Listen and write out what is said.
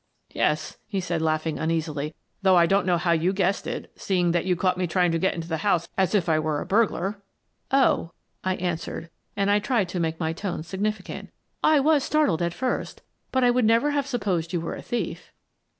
"Yes," he said, laughing uneasily, "though I don't know how you guessed it, seeing that you caught me trying to get into the house as if I were a burglar." "Oh," I answered, — and I tried to make my tone significant, — "I was startled at first, but I would never have supposed you were a thief."